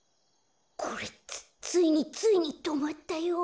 これつついについにとまったよ。